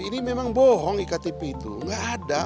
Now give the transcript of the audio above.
ini memang bohong ktp itu gak ada